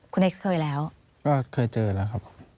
คุณเอ็กซเคยแล้วก็เคยเจอแล้วครับ